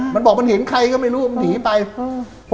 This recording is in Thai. มันบอกมันเห็นใครก็ไม่รู้มันหนีไปอืม